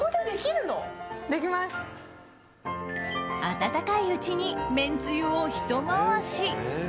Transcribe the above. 温かいうちにめんつゆをひと回し。